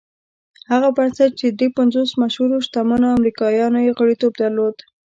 هغه بنسټ چې دري پنځوس مشهورو شتمنو امريکايانو يې غړيتوب درلود.